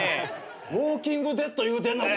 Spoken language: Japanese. ウォーキング・デッド言うてんのに！？